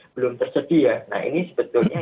belum tersedia nah ini sebetulnya